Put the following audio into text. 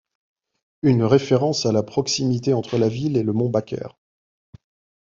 Une référence à la proximité entre la ville et le Mont Baker.